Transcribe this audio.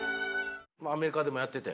アメリカでもやってて。